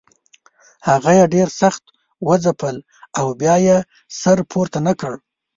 هغه یې ډېر سخت وځپل او بیا یې سر پورته نه کړ.